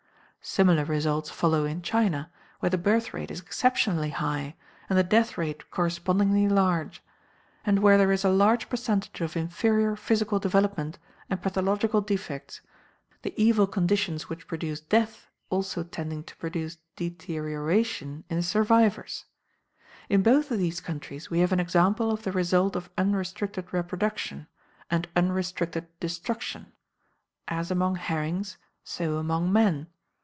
Similar results follow in China, where the birth rate is exceptionally high, and the death rate correspondingly large; and where there is a large percentage of inferior physical development and pathological defects, the evil conditions which produce death also tending to produce deterioration in the survivors. In both of these countries we have an example of the result of unrestricted reproduction, and unrestricted destruction as among herrings, so among men.